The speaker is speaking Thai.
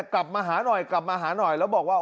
กลับมาหาหน่อยแล้วบอกว่า